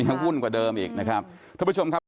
จะอุ่นกว่าเดิมอีกนะครับ